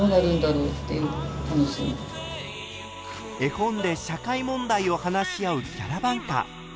絵本で社会問題を話し合うキャラバンカー。